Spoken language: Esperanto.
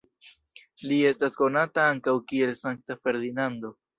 Li estas konata ankaŭ kiel Sankta Ferdinando.